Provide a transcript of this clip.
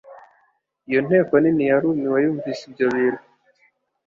Iyo nteko nini yarumiwe yumvise ibyo bintu,